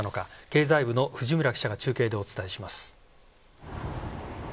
経済部の藤村記者が中継でお伝えします。